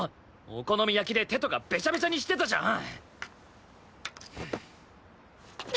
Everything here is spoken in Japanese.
お好み焼きで手とかベチャベチャにしてたじゃん。